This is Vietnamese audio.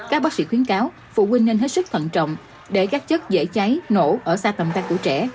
các bác sĩ khuyến cáo phụ huynh nên hết sức thận trọng để các chất dễ cháy nổ ở xa tầm tay của trẻ